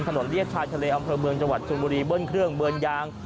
เรียบชายทะเลอำเภอเมืองจังหวัดชนบุรีเบิ้ลเครื่องเบิ้ลยาง